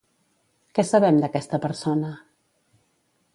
Què sabem d'aquesta persona?